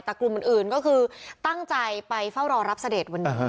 แต่กลุ่มอื่นก็คือตั้งใจไปเฝ้ารอรับเสด็จวันนี้